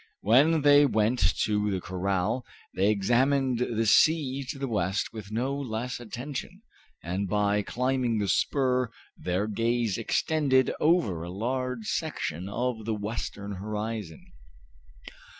When they went to the corral they examined the sea to the west with no less attention, and by climbing the spur their gaze extended over a large section of the western horizon.